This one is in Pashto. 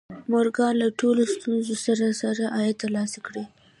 مورګان له ټولو ستونزو سره سره عاید ترلاسه کړ